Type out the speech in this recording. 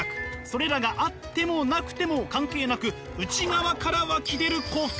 それらがあってもなくても関係なく内側から湧き出る幸福。